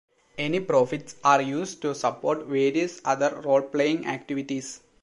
Any profits are used to support various other role-playing activities.